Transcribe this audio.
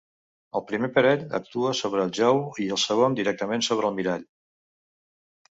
El primer parell actua sobre el jou i el segon directament sobre el mirall.